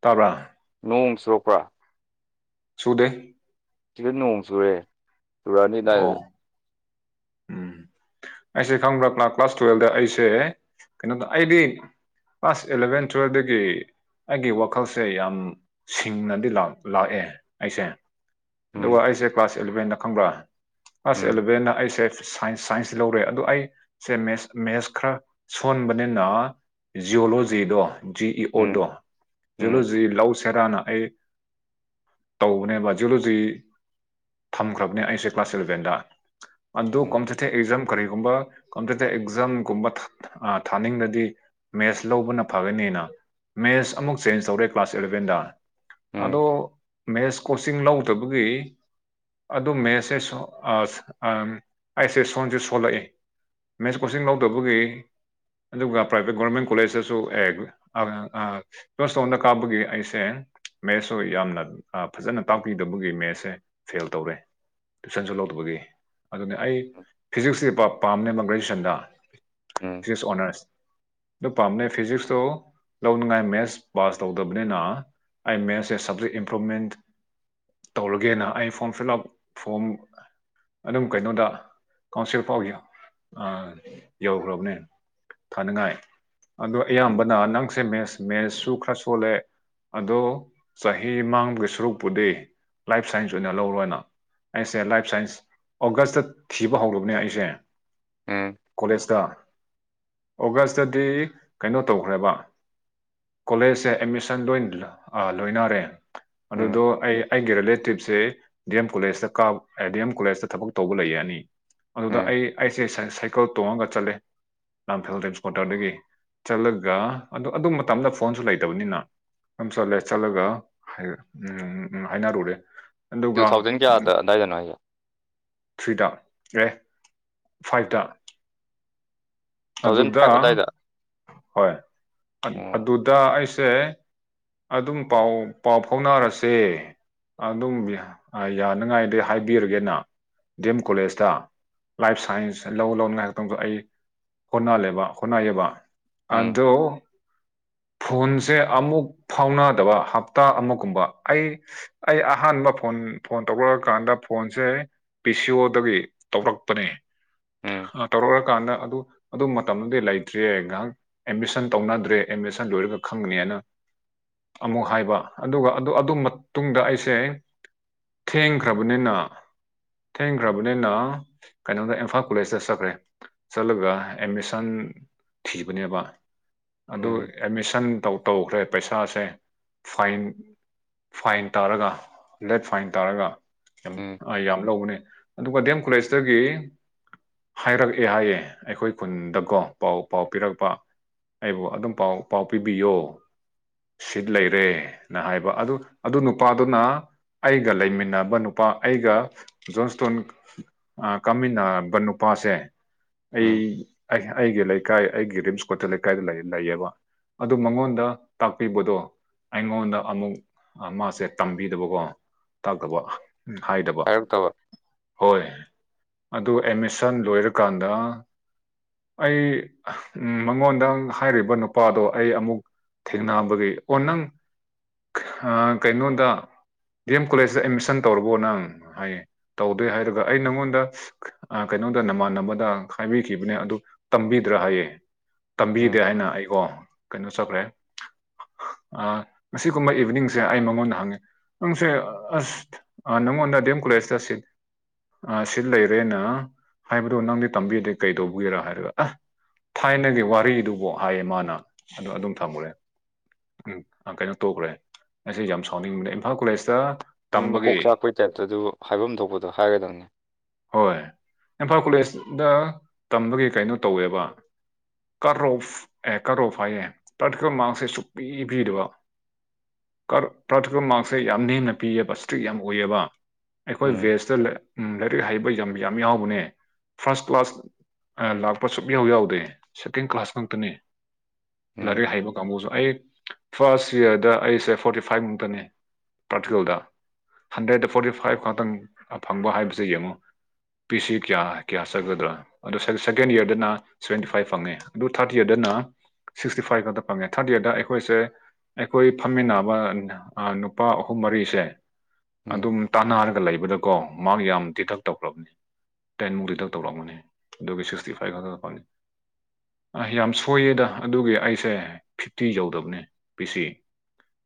ꯇꯕ꯭ꯔꯥ ꯅꯣꯡ ꯆꯨꯔꯣꯛꯄ꯭ꯔꯥ ꯆꯨꯗꯦ ꯁꯤꯗ ꯅꯣꯡ ꯆꯨꯔꯦ ꯆꯨꯔꯛꯑꯅꯤ ꯑꯗꯨꯗꯥꯏ ꯑꯣ ꯎꯝ ꯑꯩꯁꯦ ꯈꯪꯕ꯭ꯔ ꯀ꯭ꯂꯥꯁ ꯇꯨꯋꯦꯜꯕꯗ ꯑꯩꯁꯦ ꯀꯩꯅꯣꯗ ꯑꯩꯗꯤ ꯀ꯭ꯂꯥꯁ ꯑꯦꯂꯕꯦꯟ ꯇꯨꯋꯜꯕꯗꯒꯤ ꯑꯩꯒꯤ ꯋꯥꯈꯜꯁꯦ ꯌꯥꯝ ꯁꯤꯡꯅꯗꯤ ꯂꯥꯛꯑꯦ ꯑꯩꯁꯦ ꯑꯗꯨꯒ ꯎꯝ ꯑꯩꯁꯦ ꯀ꯭ꯂꯥꯁ ꯑꯦꯂꯕꯦꯟꯟꯅ ꯈꯪꯕ꯭ꯔꯥ ꯀ꯭ꯂꯥꯁ ꯎꯝ ꯑꯦꯂꯕꯦꯟꯅ ꯑꯩꯁꯦ ꯁꯥꯏꯟꯁ ꯁꯥꯏꯟꯁ ꯁꯤ ꯂꯧꯔꯦ ꯑꯗꯣ ꯑꯩ ꯁꯦ ꯃꯦꯁ ꯃꯦꯁ ꯈꯔ ꯁꯣꯟꯕꯅꯤꯅ ꯖꯤꯑꯣꯂꯣꯖꯤꯗꯣ ꯖꯤ ꯏ ꯑꯣ ꯗꯣ ꯎꯝ ꯎꯝ ꯖꯨꯂꯣꯖꯤ ꯂꯧ ꯁꯦꯔꯥꯅ ꯑꯩ ꯇꯧꯕꯅꯦꯕ ꯖꯨꯂꯣꯖꯤ ꯊꯝꯈ꯭ꯔꯕꯅꯦ ꯑꯩꯁꯦ ꯀ꯭ꯂꯥꯁ ꯏꯂꯕꯦꯟꯗ ꯑꯗꯨ ꯎꯝ ꯀꯣꯝꯄꯤꯇꯤꯇꯤꯞ ꯑꯦꯛꯖꯥꯝ ꯀꯔꯤꯒꯨꯝꯕ ꯀꯝꯄꯤꯇꯤꯇꯤꯞ ꯑꯦꯛꯖꯥꯝꯒꯨꯝꯕ ꯊꯥ ꯊꯥꯅꯤꯡꯂꯗꯤ ꯃꯦꯠꯁ ꯂꯧꯕꯅ ꯐꯒꯅꯤꯅ ꯃꯦꯠꯁ ꯑꯃꯨꯛ ꯆꯦꯟꯖ ꯇꯧꯔꯦ ꯀ꯭ꯂꯥꯁ ꯑꯦꯂꯚꯦꯟꯗ ꯎꯝ ꯑꯗꯣ ꯃꯦꯁ ꯀꯣꯆꯤꯡ ꯂꯧꯗꯕꯒꯤ ꯑꯗꯨ ꯃꯦꯁꯦ ꯑ [unintelligible] ꯑꯝ ꯑꯩꯁꯦ ꯁꯣꯟꯖꯨ ꯊꯣꯛꯂꯛꯏ ꯃꯦꯠꯁ ꯀꯣꯆꯤꯡ ꯂꯧꯗꯕꯒꯤ ꯑꯗꯨꯒ ꯄ꯭ꯔꯥꯏꯚꯦꯠ ꯒꯣꯔꯃꯦꯟ ꯀꯣꯂꯦꯖꯇꯁꯨ [unintelligible] ꯖꯣꯟꯇꯣꯟꯗ ꯀꯥꯕꯒꯤ ꯑꯩꯁꯦ ꯃꯦꯠꯁꯁꯨ ꯌꯥꯝꯅ ꯑ ꯐꯖꯅ ꯇꯥꯛꯄꯤꯗꯕꯒꯤ ꯃꯦꯠꯁꯁꯦ ꯐꯦꯜ ꯇꯧꯔꯦ ꯇꯨꯏꯁꯟꯁꯨ ꯂꯧꯗꯕꯒꯤ ꯑꯗꯨꯅꯤ ꯑꯩ ꯐꯤꯖꯤꯛꯁꯁꯤ ꯄꯥ ꯄꯥꯝꯅꯦꯕ ꯒ꯭ꯔꯦꯖꯨꯋꯦꯁꯟꯗ ꯎꯝ ꯐꯤꯖꯤꯛꯁ ꯑꯣꯅꯔꯁ ꯑꯗꯨ ꯄꯥꯝꯅꯦ ꯐꯤꯖꯤꯛꯁꯇꯣ ꯂꯧꯅꯉꯥꯏ ꯃꯦꯠꯁ ꯄꯥꯁ ꯇꯧꯗꯕꯅꯤꯅ ꯑꯩ ꯃꯦꯠꯁꯁꯦ ꯁꯞꯖꯦꯛ ꯏꯝꯄ꯭ꯔꯨꯞꯚꯃꯦꯟ ꯇꯧꯔꯒꯦꯅ ꯑꯩ ꯐꯣꯝ ꯐꯤꯜ ꯑꯞ ꯐꯣꯝ ꯑꯗꯨꯝ ꯀꯩꯅꯣꯗ ꯀꯥꯎꯟꯁꯤꯜ ꯐꯧ ꯑ ꯌꯧꯈ꯭ꯔꯕꯅꯦ ꯊꯥꯅꯉꯥꯏ ꯑꯗꯣ ꯎꯝ ꯑꯌꯥꯝꯕꯅ ꯅꯪꯁꯦ ꯃꯦꯁ ꯃꯦꯁꯁꯨ ꯈꯔ ꯁꯣꯜꯂꯦ ꯑꯗꯣ ꯆꯍꯤ ꯃꯥꯡꯕꯒꯤ ꯁꯔꯨꯛꯄꯨꯗꯤ ꯂꯥꯏꯐ ꯁꯥꯏꯟꯁ ꯑꯣꯏꯅ ꯂꯧꯔꯣꯅ ꯑꯩꯁꯦ ꯂꯥꯏꯐ ꯁꯥꯏꯟꯁ ꯑꯣꯒꯁꯇ ꯊꯤꯕ ꯕ ꯍꯧꯔꯕꯅꯦ ꯑꯩꯁꯦ ꯎꯝ ꯀꯣꯂꯦꯖꯇ ꯑꯣꯒꯁꯇꯗꯤ ꯀꯩꯅꯣ ꯇꯧꯈ꯭ꯔꯦꯕ ꯀꯣꯂꯦꯖꯁꯦ ꯑꯦꯠꯃꯤꯁꯟ ꯂꯣꯏꯟ ꯂꯣꯏꯅꯔꯦ ꯎꯝ ꯑꯗꯨꯗꯣ ꯑꯩ ꯑꯩꯒꯤ ꯔꯤꯂꯦꯇꯤꯞꯁꯤ ꯗꯤ ꯑꯦꯝ ꯀꯣꯂꯦꯖꯇ ꯀꯥ ꯗꯤ ꯑꯦꯝ ꯀꯣꯂꯦꯖꯇ ꯊꯕꯛ ꯇꯧꯕ ꯂꯩꯌꯦ ꯑꯅꯤ ꯑꯗꯨꯗ ꯎꯝ ꯑꯩ ꯑꯩꯁꯦ ꯁꯥꯏ ꯁꯥꯏꯀꯜ ꯇꯣꯡꯉꯒ ꯆꯠꯂꯦ ꯂꯥꯡꯐꯦꯜ ꯗꯝ ꯏꯁꯀ꯭ꯋꯥꯇꯔꯗꯒꯤ ꯆꯠꯂꯒ ꯑꯗꯨ ꯑꯗꯨ ꯃꯇꯝꯗ ꯐꯣꯟꯁꯨ ꯂꯩꯇꯕꯅꯤꯅ ꯑꯗꯨꯝ ꯆꯠꯂꯦ ꯆꯠꯂꯒ ꯎꯝ ꯎꯝ ꯍꯥꯏꯅꯔꯨꯔꯦ ꯇꯨ ꯑꯗꯨꯒ ꯊꯥꯎꯖꯟ ꯀꯌꯥꯗ ꯑꯗꯥꯏꯗꯅꯣ ꯍꯥꯏꯖꯦ ꯊ꯭ꯔꯤꯗ ꯑꯦ ꯐꯥꯏꯚꯇ ꯊꯥꯎꯖꯟ ꯑꯗꯨꯗ ꯐꯥꯏꯚ ꯑꯗꯥꯏꯗ ꯍꯣꯏ ꯑꯣ ꯑꯗꯨꯗ ꯑꯩꯁꯦ ꯑꯗꯨꯝ ꯄꯥꯎ ꯄꯥꯎ ꯐꯥꯎꯅꯔꯁꯦ ꯑꯗꯨꯝ ꯌꯥꯅꯤꯉꯥꯏꯗꯤ ꯍꯥꯏꯕꯤꯔꯒꯦꯅ ꯗꯤ ꯑꯦꯝ ꯀꯣꯂꯦꯖꯇ ꯂꯥꯏꯐ ꯁꯥꯏꯟꯁ ꯂꯧ ꯂꯧꯅꯤꯡꯉꯥꯏ ꯈꯛꯇꯪꯗꯣ ꯑꯩ ꯍꯣꯠꯅꯜꯂꯦꯕ ꯍꯣꯠꯅꯩꯌꯦꯕ ꯎꯝ ꯑꯗꯣ ꯐꯣꯟꯁꯦ ꯑꯃꯨꯛ ꯐꯥꯎꯅꯥꯗꯕ ꯍꯞꯇꯥ ꯑꯃꯒꯨꯝꯕ ꯑꯩ ꯑꯩ ꯑꯍꯥꯟꯕ ꯐꯣꯟ ꯐꯣꯟ ꯇꯧꯔꯛꯑꯀꯥꯟꯗ ꯐꯣꯟꯁꯦ ꯄꯤ ꯁꯤ ꯑꯣꯗꯒꯤ ꯇꯧꯔꯛꯄꯅꯤ ꯎꯝ ꯑ ꯇꯧꯔꯛ ꯀꯥꯟꯗ ꯑꯗꯨ ꯑꯗꯨ ꯃꯇꯝꯗꯨꯗꯤ ꯂꯩꯇ꯭ꯔꯤꯌꯦ ꯉꯍꯥꯛ ꯑꯦꯗꯃꯤꯁꯟ ꯇꯧꯅꯗ꯭ꯔꯦ ꯑꯦꯗꯃꯤꯁꯟ ꯂꯣꯏꯔꯒ ꯈꯪꯒꯅꯤꯅ ꯑꯃꯨꯛ ꯍꯥꯏꯕ ꯑꯗꯨꯒ ꯑꯗꯨ ꯑꯗꯨ ꯃꯇꯨꯡꯗ ꯑꯩꯁꯦ ꯊꯦꯡꯈ꯭ꯔꯕꯅꯤꯅ ꯊꯦꯡꯈ꯭ꯔꯕꯅꯤꯅ ꯀꯩꯅꯣꯗꯥ ꯏꯝꯐꯥꯜ ꯀꯣꯂꯦꯖꯇ ꯆꯠꯈ꯭ꯔꯦ ꯆꯠꯂꯒ ꯑꯦꯃꯤꯁꯟ ꯊꯤꯕꯅꯦꯕ ꯑꯗꯨ ꯎꯝ ꯑꯦꯠꯃꯤꯁꯟ ꯇꯧ ꯇꯧꯈ꯭ꯔꯦ ꯄꯩꯁꯥꯁꯦ ꯐꯥꯏꯟ ꯐꯥꯏꯟ ꯇꯥꯔꯒ ꯂꯦꯠ ꯐꯥꯏꯟ ꯇꯥꯔꯒ ꯌꯥꯝ ꯎꯝ ꯑ ꯌꯥꯝ ꯂꯧꯕꯅꯦ ꯑꯗꯨꯒ ꯗꯤ ꯑꯦꯝ ꯀꯣꯂꯦꯖꯇꯒꯤ ꯍꯥꯏꯔꯛꯑꯦ ꯍꯥꯏꯌꯦ ꯑꯩꯈꯣꯏ ꯈꯨꯟꯗꯀꯣ ꯄꯥꯎ ꯄꯥꯎ ꯄꯤꯔꯛꯄ ꯑꯩꯕꯨ ꯑꯗꯨꯝ ꯄꯥꯎ ꯄꯥꯎ ꯄꯤꯕꯤꯌꯣ ꯁꯤꯠ ꯂꯩꯔꯦꯅ ꯍꯥꯏꯕ ꯑꯗꯨ ꯑꯗꯨ ꯅꯨꯄꯥꯗꯨꯅ ꯑꯩꯒ ꯂꯩꯃꯤꯟꯅꯕ ꯅꯨꯄꯥ ꯑꯩꯒ ꯖꯣꯟꯁꯇꯣꯟ ꯑ ꯀꯥꯃꯤꯟꯅꯕ ꯅꯨꯄꯥꯁꯦ ꯑꯩ ꯎꯝ ꯑꯩ ꯑꯩꯒꯤ ꯂꯩꯀꯥꯏ ꯑꯩꯒꯤ ꯔꯤꯝꯁ ꯀꯣꯊꯦꯜ ꯂꯩꯀꯥꯏꯗ ꯂꯩꯌꯦꯕ ꯑꯗꯨ ꯃꯉꯣꯟꯗ ꯇꯥꯛꯄꯤꯕꯗꯣ ꯑꯩꯉꯣꯟꯗ ꯑꯃꯨꯛ ꯃꯥꯁꯦ ꯇꯝꯕꯤꯗꯕꯀꯣ ꯇꯥꯛꯇꯕ ꯎ ꯍꯥꯏꯗꯕ ꯍꯥꯏꯔꯛꯇꯕ ꯍꯣꯏ ꯑꯗꯨ ꯑꯦꯠꯃꯤꯁꯟ ꯂꯣꯏꯔꯀꯥꯟꯗ ꯑꯩ ꯃꯉꯣꯟꯗ ꯍꯥꯏꯔꯤꯕ ꯅꯨꯄꯥꯗꯣ ꯑꯩ ꯑꯃꯨꯛ ꯊꯦꯡꯅꯕꯒꯤ ꯑꯣ ꯅꯪ ꯀꯩꯅꯣꯗ ꯗꯤ ꯑꯦꯝ ꯀꯣꯂꯦꯖꯇ ꯑꯦꯠꯃꯤꯁꯟ ꯇꯧꯔꯕꯣ ꯅꯪ ꯍꯥꯏꯌꯦ ꯇꯧꯗꯣꯏ ꯍꯥꯏꯔꯒ ꯑꯩ ꯅꯪꯉꯣꯟꯗ ꯀꯩꯅꯣꯗ ꯅꯃꯥꯟꯅꯕꯗ ꯍꯥꯏꯕꯤꯈꯤꯕꯅꯦ ꯑꯗꯨ ꯇꯝꯕꯤꯗ꯭ꯔꯥ ꯍꯥꯏꯌꯦ ꯇꯝꯕꯤꯗꯦ ꯎꯝ ꯍꯥꯏꯅ ꯑꯩꯒꯣ ꯀꯩꯅꯣ ꯆꯠꯈ꯭ꯔꯦ ꯑ ꯉꯁꯤꯒꯨꯝꯕ ꯏꯚꯤꯅꯤꯡꯁꯦ ꯑꯩ ꯃꯉꯣꯟꯗ ꯍꯪꯉ‌ꯦ ꯅꯪꯁꯦ ꯑꯁ ꯑ ꯅꯪꯉꯣꯟꯗ ꯗꯤ ꯑꯦꯝ ꯀꯣꯂꯦꯖꯇ ꯁꯤꯠ ꯑ ꯁꯤꯠ ꯂꯩꯔꯦꯅ ꯍꯥꯏꯕꯗ‌ꯣ ꯅꯪꯗꯤ ꯇꯝꯕꯤꯗꯦ ꯀꯩ ꯇꯧꯕꯒꯦꯔꯥ ꯍꯥꯏꯔꯒ ꯑ ꯊꯥꯏꯅꯒꯤ ꯋꯥꯔꯤꯗꯨꯕꯨ ꯍꯥꯏꯌꯦ ꯃꯥꯅ ꯑꯗꯨ ꯑꯗꯨꯝ ꯊꯝꯈ꯭ꯔꯦ ꯎꯝ ꯑ ꯀꯩꯅꯣ ꯇꯧꯈ꯭ꯔꯦ ꯑꯩꯁ‌ꯦ ꯌꯥꯝ ꯁꯥꯎꯅꯤꯡꯕꯅꯦ ꯏꯝꯐꯥꯜ ꯀꯣꯂꯦꯖꯇ ꯃꯤ ꯇꯝꯕꯒꯤ ꯃꯀꯣꯛ ꯆꯥꯛꯄꯩ ꯇꯥꯏꯞꯇ ꯑꯗꯨꯕꯨ ꯍꯥꯏꯐꯝ ꯊꯣꯛꯄꯗꯣ ꯍꯥꯏꯒꯗꯕꯅꯦ ꯍꯣꯏ ꯏꯝꯐꯥꯜ ꯀꯣꯂꯦꯖꯗ ꯇꯝꯕꯒꯤ ꯀꯩꯅꯣ ꯇꯧꯋꯦꯕ ꯀꯠꯔꯣꯐ ꯑꯦ ꯀꯥꯠꯔꯣꯐ ꯍꯥꯏꯌꯦ ꯄꯥꯔꯇꯤꯀꯜ ꯃꯥꯛꯁꯦ ꯁꯨꯡꯄꯤ ꯄꯤꯗꯕ ꯀꯠ ꯄ꯭ꯔꯥꯇꯤꯀ‌ꯦꯜ ꯃꯥꯔꯛꯁꯦ ꯌꯥꯝ ꯅꯦꯝꯅ ꯄꯤꯌ‌ꯦꯕ ꯏꯁꯇ꯭ꯔꯤꯛ ꯌꯥꯝ ꯑꯣꯏꯌ‌ꯦꯕ ꯑꯩꯈꯣꯏ ꯎꯝ ꯕꯦꯁꯇ ꯂꯥ ꯎꯝ ꯂꯥꯏꯔꯤꯛ ꯍꯩꯕ ꯌꯥꯝ ꯌꯥꯝ ꯌꯥꯎꯕꯅꯦ ꯐꯥꯔꯁ ꯀ꯭ꯂꯥꯁ ꯂꯥꯛꯄ ꯁꯨꯛꯌꯥꯎ ꯌꯥꯎꯗꯦ ꯁꯦꯀꯦꯟ ꯀ꯭ꯂꯥꯁ ꯉꯛꯇꯅꯦ ꯎꯝ ꯂꯥꯏꯔꯤꯛ ꯍꯩꯕ ꯒꯥꯡꯒꯨꯁꯨ ꯑꯩ ꯐꯥꯔꯁ ꯏꯌꯥꯔꯗ ꯑꯩꯁꯦ ꯐꯣꯔꯇꯤ ꯐꯥꯏꯚ ꯃꯨꯛꯇꯅꯦ ꯄ꯭ꯔꯥꯛꯇꯤꯀꯜꯗ ꯍꯟꯗ꯭ꯔꯦꯗꯇ ꯐꯣꯔꯇꯤ ꯐꯥꯏꯚ ꯈꯇꯪ ꯐꯪꯕ ꯍꯥꯏꯕꯁ‌ꯦ ꯌꯦꯡꯉ‌ꯣ ꯄꯤꯁꯤ ꯀꯌꯥ ꯀꯌꯥ ꯆꯠꯒꯗ꯭ꯔꯥ ꯑꯗ‌ꯣ ꯁ‌ꯦ ꯁꯦꯀꯦꯟ ꯏꯌꯔꯗꯅ ꯁꯕꯦꯟꯇꯤ ꯐꯥꯏꯚ ꯐꯪꯉꯦ ꯑꯗꯨ ꯊꯥꯔꯠ ꯏꯌꯔꯗꯅ ꯁꯤꯛꯁꯇꯤ ꯐꯥꯏꯚ ꯈꯛꯇ ꯐꯪꯉꯦ ꯊꯥꯔꯠ ꯏꯌꯥꯔꯗ ꯑꯩꯈꯣꯏꯁꯦ ꯑꯩꯈꯣꯏ ꯐꯝꯃꯤꯟꯅꯕ ꯅꯨꯄꯥ ꯑꯍꯨꯝ ꯃꯔꯤꯁꯦ ꯎꯝ ꯑꯗꯨꯝ ꯇꯥꯟꯅꯔꯒ ꯂꯩꯕꯗꯀꯣ ꯃꯥꯛ ꯌꯥꯝ ꯗꯤꯗꯛ ꯇꯧꯈ꯭ꯔꯕꯅꯤ ꯇꯦꯟꯃꯨꯛ ꯗꯤꯗꯛ ꯇꯧꯔꯛꯑꯃꯅꯤ ꯑꯗꯨꯒꯤ ꯁꯤꯛꯁꯇꯤ ꯐꯥꯏꯚ ꯈꯛꯇ ꯐꯪꯉ‌ꯦ ꯑ ꯌꯥꯝ ꯁꯣꯏꯌꯦꯗ ꯑꯗꯨꯒꯤ ꯑꯩꯁꯦ ꯐꯤꯐꯇꯤ ꯌꯧꯗꯕꯅꯦ ꯄꯤꯁꯤ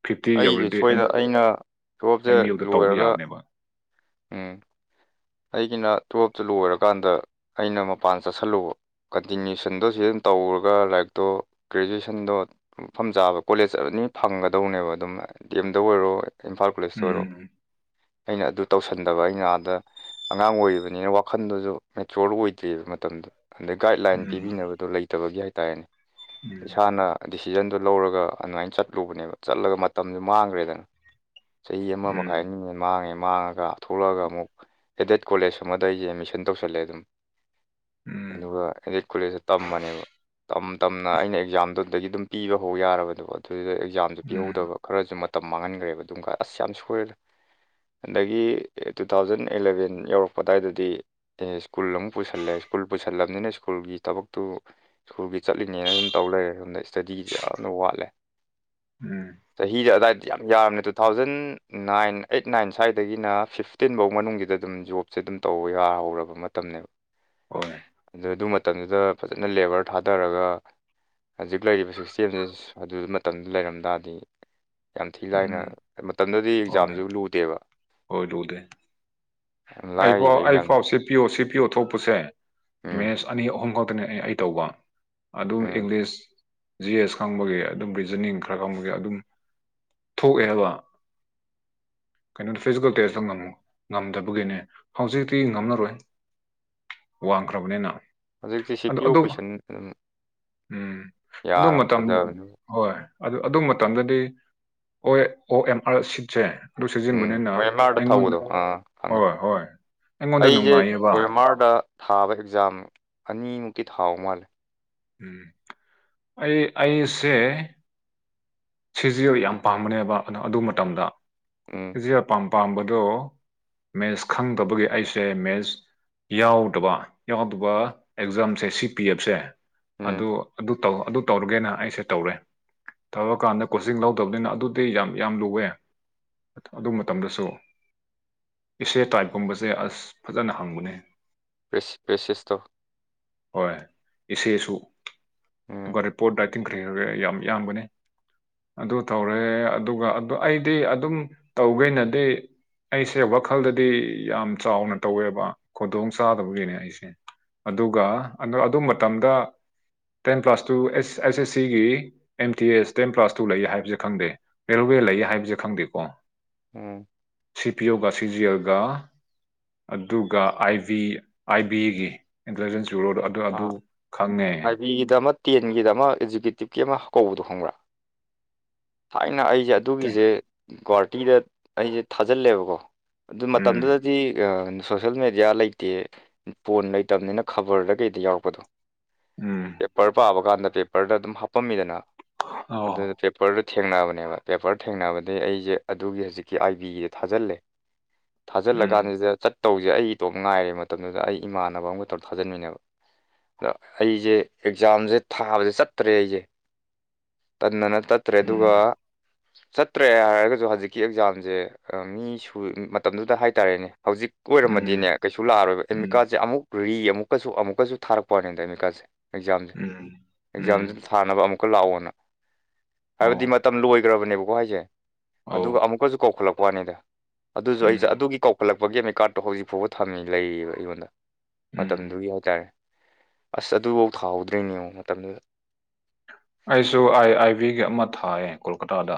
ꯐꯤꯐꯇꯤ ꯑꯩꯁꯦ ꯌꯧꯔꯗꯤ ꯑ ꯁꯣꯏꯗ ꯑꯩꯅ ꯇꯨꯋꯦꯜꯞꯁꯦ ꯑꯦꯝ ꯌꯨꯗ ꯇꯧꯕ ꯂꯣꯏꯔꯒ ꯌꯥꯕꯅꯦꯕ ꯎꯝ ꯑꯩꯒꯤꯅ ꯇꯨꯌꯦꯜꯞꯇ ꯂꯣꯏꯔꯀꯥꯟꯗ ꯑꯩꯅ ꯃꯄꯥꯟ ꯆꯠꯁꯜꯂꯨꯕ ꯀꯟꯇꯤꯅ꯭ꯌꯨꯁꯟꯗꯣ ꯁꯤꯗꯨꯝ ꯇꯧꯔꯒ ꯂꯥꯏꯔꯤꯛꯇꯣ ꯒ꯭ꯔꯦꯖꯨꯋ‌ꯦꯁꯟꯗꯣ ꯃꯐꯝ ꯆꯥꯕ ꯀꯣꯂꯦꯖ ꯑꯅꯤ ꯐꯪꯒꯗꯧꯅꯦꯕ ꯑꯗꯨꯝ ꯗꯤ ꯑꯦꯝꯗ ꯑꯣꯏꯔꯣ ꯏꯝꯐꯥꯜ ꯀ‌ꯣꯂ‌ꯦꯖꯇ ꯑꯣꯏꯔꯣ ꯎꯝ ꯑꯩꯅ ꯑꯗꯨ ꯇꯧꯁꯟꯗꯕ ꯑꯩꯅ ꯑꯥꯗ ꯑꯉꯥꯡ ꯑꯣꯏꯔꯤꯕꯅꯤꯅ ꯋꯥꯈꯜꯗꯨꯁꯨ ꯃꯦꯆꯣꯔ ꯑꯣꯏꯗ꯭ꯔꯤꯑꯕ ꯃꯇꯝꯗꯨ ꯑꯗꯩ ꯒꯥꯏꯗꯂꯥꯏꯟ ꯎꯝ ꯄꯤꯕꯤꯅꯕꯗꯣ ꯂꯩꯇꯕꯒꯤ ꯍꯥꯏꯇꯥꯔꯦꯅꯦ ꯎꯝ ꯏꯁꯥꯅ ꯗꯤꯁꯤꯖꯟꯗꯨ ꯂꯧꯔꯒ ꯑꯗꯨꯃꯥꯏꯅ ꯆꯠꯂꯨꯕꯅꯦꯕ ꯆꯠꯂ ꯃꯇꯝꯗꯨ ꯃꯥꯡꯈ꯭ꯔꯦꯗꯅ ꯆꯍꯤ ꯑꯃ ꯃꯈꯥꯏ ꯎꯝ ꯑꯅꯤꯃꯨꯛꯍ‌ꯦꯟ ꯃꯥꯡꯉꯦ ꯃꯥꯡꯉꯒ ꯊꯣꯛꯂꯛꯑꯒ ꯑꯃꯨꯛ ꯑꯦꯗꯦꯠ ꯀꯣꯂꯦꯖ ꯑꯃꯗ ꯑꯩꯁꯦ ꯑꯦꯗꯃꯤꯁꯟ ꯇꯧꯁꯜꯂꯦ ꯑꯗꯨꯝ ꯎꯝ ꯑꯗꯨꯒ ꯑꯦꯗꯦꯠ ꯀꯣꯂꯦꯖꯇ ꯇꯃꯅꯦꯕ ꯇꯝ ꯇꯝꯅ ꯑꯩꯅ ꯑꯦꯛꯖꯥꯝꯗꯨꯗꯒꯤ ꯑꯗꯨꯝ ꯄꯤꯕ ꯍꯧ ꯌꯥꯔꯕꯗ‌ꯣ ꯑꯗꯨꯗ ꯑꯦꯛꯖꯥꯝꯁꯨ ꯎꯝ ꯄꯤꯍꯧꯗꯕ ꯈꯔꯁꯨ ꯃꯇꯝ ꯃꯥꯡꯍꯟꯈ꯭ꯔꯦꯕ ꯑꯗꯨꯝ ꯑꯁ ꯌꯥꯝ ꯁꯣꯏꯗ ꯑꯗꯒꯤ ꯇꯨ ꯊꯥꯎꯖꯟ ꯑꯦꯂꯕꯦꯟ ꯌꯧꯔꯛꯄ ꯑꯗꯨꯋꯥꯏꯗꯗꯤ ꯗ‌ꯦ ꯁ꯭ꯀꯨꯜ ꯑꯃꯨꯛ ꯄꯨꯁꯜꯂꯦ ꯁ꯭ꯀꯨꯜ ꯄꯨꯁꯜꯂꯕꯅꯤꯅ ꯁ꯭ꯀꯨꯜꯒꯤ ꯊꯕꯛꯇꯨ ꯁ꯭ꯀꯨꯜꯒꯤ ꯆꯠꯂꯤꯅ‌ꯦꯅ ꯑꯗꯨꯝ ꯇꯧ ꯂꯩꯔꯦ ꯁꯣꯝꯗ ꯏꯁꯇꯗꯤꯖ‌ꯦ ꯌꯥꯝꯅ ꯋꯥꯠꯂꯦ ꯎꯝ ꯆꯍꯤꯁꯦ ꯑꯗꯥꯏꯗ ꯌꯥꯝ ꯌꯥꯝꯃꯦ two thousand nine eight nine ꯁ꯭ꯋꯥꯏꯗꯒꯤꯅ ꯐꯤꯐ ꯐꯤꯞꯇꯤꯟ ꯕꯧ ꯃꯅꯨꯡꯒꯤꯗ ꯑꯗꯨꯝ ꯖꯣꯕꯁꯦ ꯑꯗꯨꯝ ꯇꯧꯕ ꯌꯥꯍꯧꯔꯕ ꯃꯇꯝꯅꯦꯕ ꯍꯣꯏ ꯑꯗꯨ ꯑꯗꯨ ꯃꯇꯝꯗꯨꯗ ꯐꯖꯅ ꯂꯦꯕꯔ ꯊꯥꯗꯔꯒ ꯍꯧꯖꯤꯛ ꯂꯩꯔꯤꯕ ꯁꯤꯁꯇꯦꯝꯁꯦ ꯑꯗꯨ ꯃꯇꯝꯗꯨ ꯂꯩꯔꯝ ꯇꯔꯗꯤ ꯌꯥꯝ ꯊꯤ ꯂꯥꯏꯅ ꯎꯝ ꯃꯇꯝꯗꯨꯗꯤ ꯍꯣꯏ ꯑꯦꯛꯖꯥꯝꯁꯨ ꯂꯨꯗꯦꯕ ꯍꯣꯏ ꯂꯨꯗꯦ ꯌꯥꯝ ꯑꯩꯐꯥꯎ ꯂꯥꯏꯔꯤꯕ ꯑꯩ ꯑꯦꯛꯖꯥꯝ ꯄꯥꯎ ꯁꯤ ꯄꯤꯌꯨ ꯁꯤ ꯄꯤꯌꯨ‌ ꯊꯣꯛꯄꯁꯦ ꯎꯝ ꯃꯦꯁ ꯑꯅꯤ ꯑꯍꯨꯝ ꯈꯛꯇꯅꯦ ꯑꯩ ꯇꯧꯕ ꯑꯗꯨ ꯎꯝ ꯏꯪꯂꯤꯁ ꯖꯤ ꯑꯦꯁ ꯈꯪꯕꯒꯤ ꯑꯗꯨꯝ ꯕꯤꯖꯅꯤꯡ ꯈꯔ ꯈꯪꯕꯒꯤ ꯑꯗꯨꯝ ꯊꯣꯛꯑꯦ ꯍꯥꯏꯕ ꯀꯩꯅꯣ ꯐꯤꯖꯤꯀꯦꯜ ꯇꯦꯁ ꯑꯃ ꯉꯝꯝꯛ ꯉꯝꯗꯕꯒꯤꯅꯦ ꯍꯧꯖꯤꯛꯇꯤ ꯉꯝꯔꯔꯣꯏ ꯋꯥꯡꯈ꯭ꯔꯕꯅꯤꯅ ꯍꯧꯖꯤꯛꯇꯤ ꯁꯤ ꯑꯗꯨ ꯄꯤ ꯑꯣ ꯑꯗꯨꯝ ꯀꯣꯏꯁꯟ ꯑꯗꯨꯝ ꯎꯝ ꯑꯗꫭ ꯌꯥꯔꯕ ꯃꯇꯝ ꯐꯖꯕꯅꯤ ꯍꯣꯏ ꯑꯗꯨ ꯑꯗꯨ ꯃꯇꯝꯗꯗꯤ ꯑꯣ ꯑꯣ ꯑꯦꯝ ꯑꯥꯔ ꯁꯤꯠꯁꯦ ꯑꯗꯨ ꯎꯝ ꯁꯤꯖꯤꯟꯕꯅꯤꯅ ꯍꯣꯏ ꯑꯦꯝ ꯑꯥꯔꯗ ꯑꯩꯉꯣꯟꯗ ꯊꯧꯕꯗꯣ ꯑꯥ ꯈꯪꯉꯦ ꯍꯣꯏ ꯍꯣꯏ ꯑꯩꯉꯣꯟꯗ ꯑꯩꯁꯦ ꯅꯨꯡꯉꯥꯏꯌꯦꯕ ꯀꫭ ꯑꯦꯝ ꯑꯥꯔꯗ ꯊꯥꯕ ꯑꯦꯛꯖꯥꯝ ꯑꯅꯤꯃꯨꯛꯀꯤ ꯊꯥꯍꯧ ꯃꯥꯜꯂꯦ ꯎꯝ ꯑꯩ ꯑꯩꯁꯦ ꯁꯤꯖꯤꯌꫭ ꯌꯥꯝ ꯄꯥꯝꯕꯅꯦꯕ ꯑꯗꯣ ꯑꯗꯨ ꯃꯇꯝꯗ ꯎꯝ ꯁꯤ ꯑꯄꯥꯝ ꯄꯥꯝꯕꯗꯣ ꯃꯦꯁ ꯈꯪꯗꯕꯒꯤ ꯑꯩꯁꯦ ꯃꯦꯁ ꯌꯥꯎꯗꯕ ꯌꯥꯎꯗꯕ ꯑꯦꯛꯖꯥꯝꯁꯦ ꯁꯤ ꯄꯤ ꯑꯦꯐꯁꯦ ꯑꯗꯨ ꯎꯝ ꯑꯗꯨ ꯑꯗꯨ ꯇꯧꯔꯒꯦꯅ ꯑꯩꯁꯦ ꯇꯧꯔꯦ ꯊꯕꯛ ꯑꯗꯨ ꯀꯥꯟꯗ ꯀꯣꯆꯤꯡ ꯂꯧꯗꯕꯅꯤꯅ ꯑꯗꯨꯗꯤ ꯌꯥꯝ ꯌꯥꯝ ꯂꯨꯋꯦ ꯑꯗꯨ ꯃꯇꯝꯗꯁꯨ ꯑꯦꯁꯦ ꯇꯥꯏꯞꯀꯨꯝꯕꯁꯦ ꯑꯁ ꯐꯖꯅ ꯍꯪꯕꯅꯦ ꯄꯦꯁ ꯄꯦꯁꯤꯁꯇꫭ ꯍꯣꯏ ꯑꯦꯁꯦꯁꯨ ꯑꯗꯨꯒ ꯎꯝ ꯔꯤꯄꯣꯔꯠ ꯇꯤꯡꯈ꯭ꯔ ꯈ꯭ꯔꯒ ꯌꯥꯝ ꯌꯥꯝꯕꯅꯦ ꯑꯗꯨ ꯇꯧꯔꯦ ꯑꯗꯨꯒ ꯑꯗꯨ ꯑꯩꯗꯤ ꯑꯗꯨꯝ ꯇꯧꯒꯦꯅꯗꯤ ꯑꯩꯁꯦ ꯋꯥꯈꯜꯗꯗꯤ ꯌꯥꯝ ꯆꯥꯎꯅ ꯇꯧꯋꯦꯕ ꯈꯨꯗꯣꯡ ꯆꯥꯗꯕꯒꯤꯅꯦ ꯑꯩꯁꯦ ꯑꯗꯨꯒ ꯑꯗꯨ ꯃꯇꯝꯗ ꯇꯦꯟ ꯄ꯭ꯂꯥꯁ ꯇꯨꯁ ꯑꯩꯁ ꯑꯦꯁ ꯁꯤꯒꯤ M T S ten plus two ꯂꯩꯌꯦ ꯍꯥꯏꯕꯁꯦ ꯈꯪꯗꯦ ꯔꯦꯜꯋꯦ ꯂꯩꯌꯦ ꯍꯥꯏꯕꯁꯦ ꯈꯪꯗꯦ ꯀꯣ ꯎꯝ ꯁꯤ ꯄꯤ ꯑꯣꯒ ꯁꯤꯖꯤꯌꯒ ꯑꯗꯨꯒ ꯑꯥꯏ ꯕꯤ ꯑꯥꯏ ꯕꯤꯒꯤ ꯏꯟꯇꯦꯂꯤꯖꯦꯟꯁ ꯌꯨꯔꯣꯗꯣ ꯑꯥ ꯑꯥꯏꯕꯤꯒꯤꯗ ꯑꯃ ꯇꯦꯟꯒꯤꯗ ꯑꯃ ꯑꯦꯛꯖꯤꯀꯌꯨꯇꯤꯞꯀꯤ ꯑꯃ ꯀꯧꯕꯗꫭ ꯈꯪꯕ꯭ꯔꯥ ꯊꯥꯏꯅ ꯑꯩꯖꯦ ꯑꯗꯨꯒꯤꯖꯦ ꯒꯨꯍꯥꯇꯤꯗ ꯑꯩꯁꯦ ꯊꯥꯖꯤꯜꯂꯦꯕꯀꯣ ꯑꯗꯨ ꯎꯝ ꯃꯇꯝꯗꯨꯗꯗꯤ ꯁꯣꯁꯦꯜ ꯃꯦꯗꯤꯌꯥ ꯂꯩꯇꯦ ꯐꯣꯟ ꯂꯩꯇꯕꯅꯤꯅ ꯈꯕꯔꯗ ꯀꯩꯗ ꯑꯗ ꯌꯥꯎꯔꯛꯄꯗꯣ ꯎꯝ ꯄꯦꯄꯔ ꯄꯥꯕ ꯀꯥꯟꯗ ꯄꯦꯄꯔꯗ ꯑꯗꯨꯝ ꯍꯥꯞꯄꯝꯃꯤꯗꯅ ꯑꯗꯨꯅ ꯑꯣ ꯄꯦꯄꯔꯗ ꯊꯦꯡꯅꯕꯅꯦꯕ ꯄꯦꯄꯔ ꯊꯦꯡꯅꯕꯗꯩ ꯑꯩꯖꯦ ꯑꯗꯨꯒꯤ ꯍꯧꯖꯤꯛꯀꯤ ꯑꯥꯏ ꯕꯤꯖꯦ ꯊꯥꯖꯜꯂꯦ ꯊꯥꯖꯤꯜꯂ ꯎꯝ ꯀꯥꯟꯖꯤꯗ ꯆꯠꯇꯧꯖꯦ ꯑꯩ ꯏꯇꯣꯝ ꯉꯥꯏꯔꯦ ꯃꯇꯝꯗꯨꯗ ꯑꯩ ꯏꯃꯥꯟꯅꯕ ꯑꯃꯒ ꯇꯧ ꯊꯥꯖꯤꯟꯃꯤꯅꯕ ꯑꯗ ꯑꯩꯖꯦ ꯑꯦꯛꯖꯥꯝꯖꯦ ꯊꯥꯕꯖꯦ ꯆꯠꯇ꯭ꯔꯦ ꯑꯩꯖꯦ ꯇꯟꯗꯅ ꯆꯠ ꯇ꯭ꯔꯦ ꯑꯗꯨꯒ ꯎꯝ ꯆꯠꯇ꯭ꯔꯦ ꯍꯥꯏꯔꯒꯁꯨ ꯍꯧꯖꯤꯛꯀꯤ ꯑꯦꯛꯖꯥꯝꯖꯦ ꯃꯤ ꯁꯨꯏ ꯃꯇꯝꯗꯨꯗ ꯍꯥꯏꯇꯥꯔꯦꯅꯦ ꯍꯧꯖꯤꯛ ꯀ ꯎꯝ ꯑꯣꯏꯔꯝꯃꯗꯤꯅꯦ ꯀꯩꯁꯨ ꯂꯥꯛꯑꯔꯣꯏꯕ ꯎꯝ ꯑꯦꯃꯤꯀꯥꯠꯁꯦ ꯑꯃꯨꯛ ꯔꯤ ꯑꯃꯨꯛꯀꯁꯨ ꯑꯃꯨꯛꯀꯁꯨ ꯊꯥꯔꯛꯄꯨꯋꯥꯅꯤꯗ ꯑꯦꯃꯤꯀꯥꯁꯦ ꯑꯦꯛꯖꯥꯝꯖꯦ ꯎꯝ ꯑꯦꯛꯖꯥꯝꯖꯤ ꯎꯝ ꯊꯥꯅꯕ ꯑꯃꯨꯛꯀ ꯂꯥꯛꯑꯣꯅ ꯍꯥꯏꯕꯗꯤ ꯑꯣ ꯃꯇꯝ ꯂꯣꯏ ꯒꯔꯕꯅꯦꯀꫭ ꯍꯥꯏꯖꯦ ꯑꯗꯨꯒ ꯑꯧ ꯑꯃꯨꯛ ꯀꯖꯨ ꯀꯧꯈꯠꯂꯛꯄꯩ ꯋꯥꯅꯤꯗ ꯑꯗꯨꯁꯨ ꯑꯩ ꯎꯝ ꯑꯗꯨꯒꯤ ꯀꯧ ꯀꯧꯈꯠꯂꯛꯄꯒꯤ ꯑꯦꯃꯤꯀꯥꯔꯠꯇꯣ ꯍꯧꯖꯤꯛ ꯐꯥꯎꯕ ꯊꯝꯃꯤ ꯂꯩꯔꯤꯕ ꯑꯩꯉꯣꯟꯗ ꯎꯝ ꯃꯇꯝꯗꯨꯒꯤ ꯍꯥꯏꯇꯥꯔꯦ ꯑꯁ ꯑꯗꯨꯕꯨꯛ ꯊꯥꯍꯧꯗ꯭ꯔꯤꯅꯦ ꯌꯦꯡꯉꫭ ꯃꯇꯝꯗꯨꯗ ꯑꯩꯁꯨ ꯑꯥꯏ ꯑꯥꯏ ꯕꯤꯒꯤ ꯑꯃ ꯊꯥꯏꯌꯦ ꯀꯣꯜꯀꯇꯥꯗ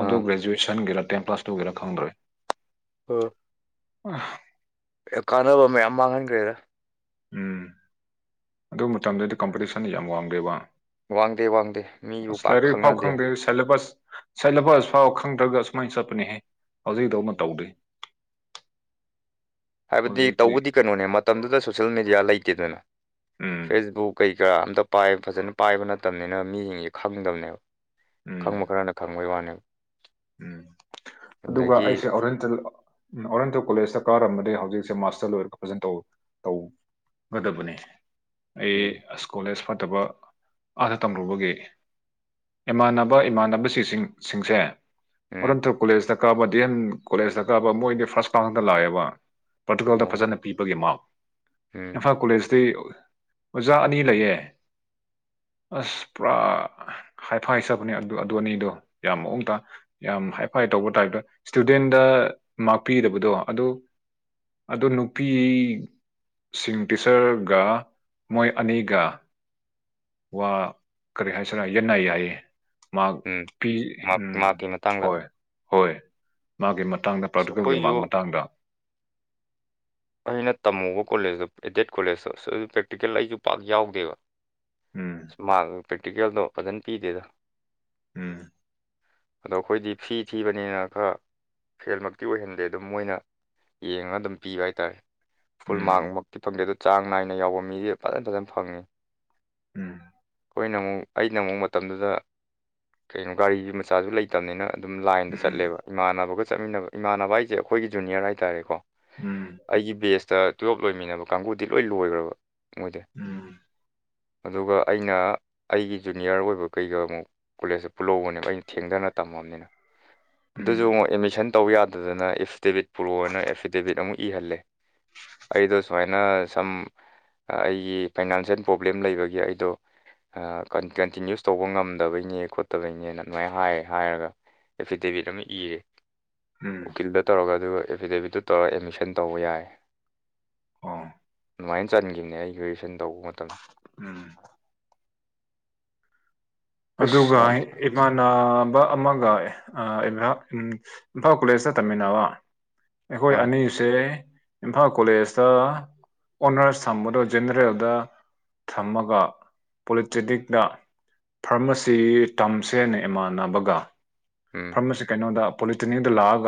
ꯑꯗꯨ ꯒ꯭ꯔꯦꯖꯨꯋꯦꯁꯟꯒꯤꯔ ꯇꯦꯟ ꯄ꯭ꯂꯥꯁ ꯇꯨꯒꯤꯔꯥ ꯈꯪꯗ꯭ꯔꯦ ꯑ [unintelligible] ꯑꯦ ꯀꯥꯟꯅꯕ ꯃꯌꯥꯝ ꯃꯥꯡꯍꯟꯈ꯭ꯔꯦꯗ ꯎꯝ ꯑꯗꯨ ꯃꯇꯝꯗꯗꯤ ꯀꯝꯄꯤꯇꯤꯁꯟ ꯌꯥꯝ ꯋꯥꯡꯗꯦꯕ ꯋꯥꯡꯗꯦ ꯋꯥꯡꯗꯦ ꯃꯤꯕꯨ ꯑꯁ ꯄꯥꯛ ꯂꯥꯏꯔꯤꯛ ꯐꯥꯎ ꯈꯪꯅꯗꯦ ꯈꯪꯗꯦ ꯁꯦꯂꯦꯕꯁ ꯁꯦꯂꯦꯕꯁ ꯐꯥꯎ ꯈꯪꯗ꯭ꯔꯒ ꯁꯨꯃꯥꯏꯅ ꯆꯠꯄꯅꯦꯍꯦ ꯍꯧꯖꯤꯛꯗꯧꯅ ꯇꯧꯗꯣꯏ ꯍꯥꯏꯕꯗꯤ ꯍꯧꯖꯤꯛꯇꯤ ꯇꯧꯕꯗꯤ ꯀꯩꯅꯣꯅꯦ ꯃꯇꯝꯗꯨꯗ ꯁꯣꯁꯦꯜ ꯃꯦꯗꯤꯌꯥ ꯂꯩꯇꯦꯗꯅ ꯎꯝ ꯐꯦꯁꯕꯨꯛ ꯀꯩ ꯀꯔꯥ ꯑꯝꯇ ꯄꯥꯏ ꯐꯖꯅ ꯄꯥꯏꯕ ꯅꯠꯇꯕꯅꯤꯅ ꯃꯤꯁꯤꯡꯁꯦ ꯈꯪꯗꯕꯅꯦꯕ ꯎꯝ ꯈꯪꯕ ꯈꯔꯅ ꯈꯪꯕꯩ ꯋꯥꯅꯦ ꯎꯝ ꯑꯗꯨꯒ ꯑꯩꯁꯦ ꯑꯣꯔꯦꯟꯇꯦꯜ ꯎꯝ ꯑꯣꯔꯦꯟꯇꯜ ꯀꯣꯂꯦꯖꯇ ꯀꯥꯔꯝꯃꯗꯤ ꯍꯧꯖꯤꯛꯁꯦ ꯃꯥꯁꯇꯔ ꯂꯣꯏꯔꯒ ꯐꯖꯟ ꯇꯧ ꯇꯧ ꯒꯗꯕꯅꯤ ꯑꯩ ꯎꯝ ꯑꯁ ꯀꯣꯂꯦꯖ ꯐꯠꯇꯕ ꯑꯥꯗ ꯇꯝꯔꯨꯕꯒꯤ ꯏꯃꯥꯟꯅꯕ ꯏꯃꯥꯟꯅꯕ ꯁꯤꯁꯤꯡ ꯁꯤꯡꯁꯦ ꯎꯝ ꯑꯣꯔꯟꯇꯜ ꯀꯣꯂꯦꯖꯇ ꯀꯥꯕ ꯗꯤ ꯑꯦꯟ ꯀꯣꯂꯦꯖꯇ ꯀꯥꯕ ꯃꯣꯏꯗꯤ ꯐꯥꯔꯁꯇ ꯉꯥꯛꯇ ꯂꯥꯛꯑꯦꯕ ꯄꯥꯔꯇꯨꯀꯜꯗ ꯑꯣ ꯐꯖꯅ ꯄꯤꯕꯒꯤ ꯃꯥꯥꯛ ꯎꯝ ꯏꯝꯐꯥꯜ ꯀꯣꯂꯦꯖꯇꯤ ꯑꯣꯖꯥ ꯑꯅꯤ ꯂꯩꯌꯦ ꯑꯁ ꯄꯨꯔꯥ ꯍꯥꯏꯐꯥꯏ ꯆꯕꯅꯦ ꯑꯗꯨ ꯑꯅꯤꯗꯣ ꯌꯥꯝ ꯃꯑꯣꯡ ꯇꯥ ꯌꯥꯝ ꯍꯥꯏꯐꯥꯏ ꯇꯧꯕ ꯇꯥꯏꯞꯇ ꯏꯁꯇꯨꯗꯦꯟꯗ ꯃꯥꯔꯛ ꯄꯤꯗꯕꯗꯣ ꯑꯗꯨ ꯑꯗꯣ ꯅꯨꯄꯤ ꯁꯤꯡ ꯇꯤꯆꯔꯒ ꯃꯣꯏ ꯑꯅꯤꯒ ꯋꯥ ꯀꯔꯤ ꯍꯥꯏꯁꯤꯔꯥ ꯌꯦꯠꯅꯩ ꯌꯥꯏꯌꯦ ꯃꯥꯛ ꯎꯝ ꯄꯤ ꯃꯥꯔꯛ ꯎꯝ ꯃꯥꯔꯛꯀꯤ ꯃꯇꯥꯡꯗ ꯍꯣꯏ ꯍꯣꯏ ꯃꯥꯒꯤ ꯃꯇꯥꯡꯗ ꯑꯁ ꯄ꯭ꯔꯥꯛꯇꯤꯀꯦꯜꯒꯤ ꯑꯩꯈꯣꯏꯁꯨ ꯃꯥꯛ ꯃꯇꯥꯡꯗ ꯑꯩꯅ ꯇꯝꯂꯨꯕ ꯀꯣꯂꯦꯖꯇꯣ ꯑꯦꯗꯦꯠ ꯀꯣꯂꯦꯖꯇꯣ ꯑꯁ ꯄ꯭ꯔꯦꯛꯇꯤꯀꯦꯜ ꯑꯩꯁꯨ ꯄꯥꯛ ꯌꯥꯎꯗꯦꯕ ꯎꯝ ꯃꯥꯔꯛ ꯄ꯭ꯔꯦꯛꯇꯤꯀꯦꯜꯗꯣ ꯐꯖꯅ ꯄꯤꯗꯦꯗ ꯎꯝ ꯑꯗꯣ ꯑꯩꯈꯣꯏꯗꯤ ꯐꯤ ꯊꯤꯕꯅꯤꯅ ꯈꯔ ꯐꯦꯜꯃꯛꯇꯤ ꯑꯣꯏꯍꯟꯗꯦ ꯑꯗꯨꯝ ꯃꯣꯏꯅ ꯌꯦꯡꯉꯒ ꯑꯗꯨꯝ ꯄꯤꯕ ꯍꯥꯏ ꯇꯥꯔꯦ ꯐꯨꯜ ꯎꯝ ꯃꯥꯔꯛ ꯃꯛꯇꯤ ꯐꯪꯗꯦ ꯑꯗꯣ ꯆꯥꯡ ꯅꯥꯏꯅ ꯌꯥꯎꯕ ꯃꯤꯗꯤ ꯐꯖꯅ ꯐꯖꯅ ꯐꯪꯉꯤ ꯎꯝ ꯑꯩꯈꯣꯏꯅ ꯑꯃꯨꯛ ꯑꯩꯅ ꯑꯃꯨꯛ ꯃꯇꯝꯗꯨꯗ ꯀꯩꯅꯣ ꯒꯥꯔꯤꯒꯤ ꯃꯆꯥꯁꯨ ꯂꯩ ꯇꯝꯅꯤꯅ ꯑꯗꯨꯝ ꯂꯥꯏꯟꯗ ꯎꯝ ꯆꯠꯂꯦꯕ ꯏꯃꯥꯟꯅꯕꯒ ꯆꯠꯃꯤꯟꯅꯕ ꯏꯃꯥꯟꯅꯕ ꯍꯥꯏꯁꯦ ꯑꯩꯈꯣꯏꯒꯤ ꯖꯨꯅꯤꯌꯔ ꯍꯥꯏꯇꯥꯥꯔꯦꯀꯣ ꯎꯝ ꯑꯩꯒꯤ ꯕꯦꯁꯇ ꯇꯨꯋꯦꯜꯞ ꯂꯣꯏꯃꯤꯟꯅꯕ ꯀꯥꯡꯒꯨꯗꯤ ꯂꯣꯏ ꯂꯣꯏꯈ꯭ꯔꯕ ꯃꯣꯏꯗꯤ ꯎꯝ ꯑꯗꯨꯒ ꯑꯩꯅ ꯑꯩꯒꯤ ꯖꯨꯅꯤꯌꯔ ꯑꯣꯏꯕ ꯀꯩꯒ ꯑꯃꯨꯛ ꯀꯣꯂꯦꯖꯁꯦ ꯄꯨꯜꯂꯧꯕꯅꯦꯕ ꯑꯩꯅ ꯊꯦꯡꯗꯅ ꯇꯝꯃꯕꯅꯤꯅ ꯑꯗꯨꯁꯨ ꯎꯝ ꯑꯃꯨꯛ ꯑꯦꯠꯃꯤꯁꯟ ꯇꯧ ꯌꯥꯗꯗꯅ ꯑꯦꯐꯤꯗꯦꯕꯤꯠ ꯄꯨꯔꯛꯑꯣꯅ ꯑꯦꯐꯤꯗꯦꯕꯤꯠ ꯑꯃꯨꯛ ꯏꯍꯜꯂꯦ ꯑꯩꯗꯣ ꯁꯨꯃꯥꯏꯅ ꯁꯝ ꯑꯩꯒꯤ ꯐꯥꯏꯅꯥꯟꯁꯤꯌꯦꯜ ꯄ꯭ꯔꯣꯕ꯭ꯂꯦꯝ ꯂꯩꯕꯒꯤ ꯑꯩꯗꯣ ꯀꯟꯇꯤꯅ꯭ꯌꯨꯁ ꯇꯧꯕ ꯉꯝꯗꯕꯩꯅꯦ ꯈꯣꯠꯇꯕꯩꯅꯦꯅ ꯑꯗꯨꯃꯥꯏꯅ ꯍꯥꯏ ꯍꯥꯏꯔꯒ ꯑꯦꯐꯤꯗꯦꯕꯤꯠ ꯑꯃ ꯏꯔꯦ ꯎꯝ ꯎꯀꯤꯜꯗ ꯇꯧꯔꯒ ꯑꯗꯨꯒ ꯑꯦꯐꯤꯗꯦꯕꯤꯠꯇꯨ ꯇꯧꯔꯒ ꯑꯦꯗꯃꯤꯁꯟ ꯇꯧꯕ ꯌꯥꯏ ꯍꯣꯏ ꯑꯗꯨꯃꯥꯏꯅ ꯆꯟꯈꯤꯕꯅꯦ ꯑꯩ ꯒ꯭ꯔꯦꯖꯨꯑꯦꯁꯟ ꯇꯧꯕ ꯃꯇꯝꯗ ꯎꯝ ꯎꯝ ꯑꯗꯨꯒ ꯏꯃꯥꯟ ꯅꯥꯕ ꯑꯃꯒ ꯑ ꯏꯝꯐ ꯏꯝ ꯏꯝꯐꯥꯜ ꯀꯣꯂꯦꯖꯇ ꯇꯝꯃꯤꯟꯅꯕ ꯑꯩꯈꯣꯏ ꯑ ꯑꯅꯤ ꯁꯦ ꯏꯝꯐꯥꯜ ꯀꯣꯂꯦꯖꯇ ꯑꯣꯅꯔꯁ ꯊꯝꯕꯗꯣ ꯖꯦꯅꯔꯦꯜꯗ ꯊꯝꯃꯒ ꯄꯣꯂꯤꯇꯦꯅꯤꯛꯇꯛꯇ ꯐꯥꯔꯃꯥꯁꯤ ꯇꯝꯁꯦꯅ ꯏꯃꯥꯟꯅꯕꯒ ꯎꯝ ꯃꯔ ꯑꯁꯤ ꯀꯩꯅꯣꯗ ꯄꯣꯂꯤꯇꯤꯅꯤꯗ ꯂꯥꯛꯑꯒ